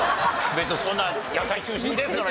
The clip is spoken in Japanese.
別にそんな「野菜中心です」なら。